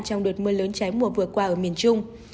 trong đợt mưa lớn trái mùa vừa qua ở miền trung